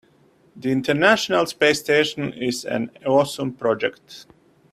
The international space station is an awesome project.